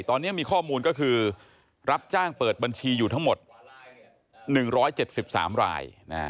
ตอนนี้มีข้อมูลก็คือรับจ้างเปิดบัญชีอยู่ทั้งหมด๑๗๓ราย